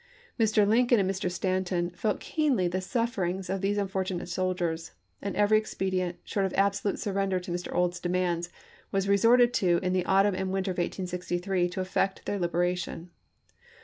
Mr. Lincoln and Mr. Stanton felt keenly the sufferings of these unfortunate soldiers, and every expedient, short of absolute surrender to Mr. Ould's demands, was resorted to in the autumn and winter of 1863, to effect their liberation.